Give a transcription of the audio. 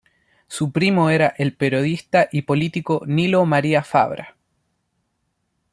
Su primo era el periodista y político Nilo María Fabra.